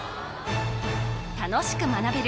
楽しく学べる！